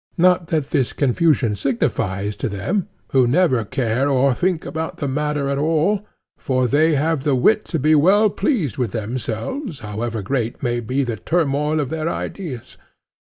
Not that this confusion signifies to them, who never care or think about the matter at all, for they have the wit to be well pleased with themselves however great may be the turmoil of their ideas.